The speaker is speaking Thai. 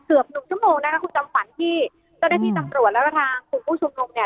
เกือบหนึ่งชั่วโมงนะคะคุณจำขวัญที่เจ้าหน้าที่ตำรวจแล้วก็ทางกลุ่มผู้ชุมนุมเนี่ย